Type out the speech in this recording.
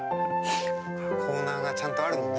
コーナーがちゃんとあるのね。